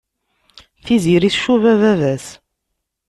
Tiziri tcuba baba-s.